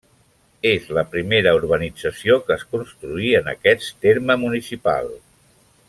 És la primera urbanització que es construí en aquest terme municipal.